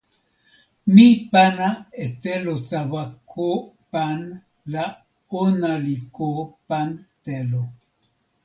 mi pana e telo tawa ko pan la ona li ko pan telo.